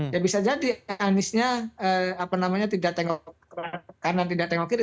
ya bisa jadi aniesnya apa namanya tidak tengok kanan tidak tengok kiri